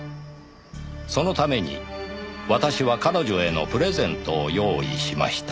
「そのために私は彼女へのプレゼントを用意しました」